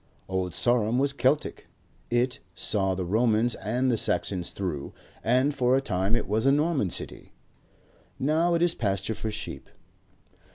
Old Sarum was Keltic; it, saw the Romans and the Saxons through, and for a time it was a Norman city. Now it is pasture for sheep.